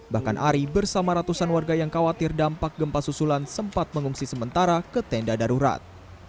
bahkan ari bersama ratusan warga yang khawatir dampak gempa susulan sempat mengungsi sementara ke tenda darurat